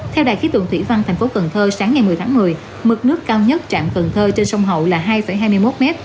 theo đài khí tượng thủy văn thành phố cần thơ sáng ngày một mươi tháng một mươi mực nước cao nhất trạm cần thơ trên sông hậu là hai hai mươi một m